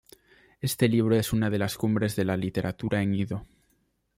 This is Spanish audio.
Este libro es una de las cumbres de la literatura en ido.